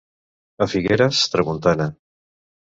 A Figueres, tramuntana.